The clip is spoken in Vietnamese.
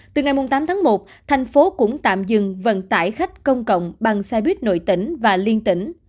từ ngày tám tháng một thành phố cũng tạm dừng vận tải khách công cộng bằng xe buýt nội tỉnh và liên tỉnh